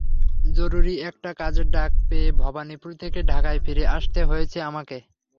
জরুরি একটা কাজের ডাক পেয়ে ভবানীপুর থেকে ঢাকায় ফিরে আসতে হয়েছে আমাকে।